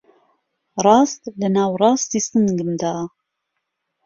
ڕاست لە ناوەڕاستی سنگمدا